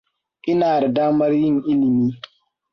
Ina da damar yin ilimi.